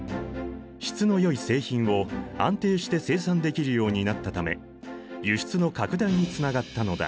質のよい製品を安定して生産できるようになったため輸出の拡大につながったのだ。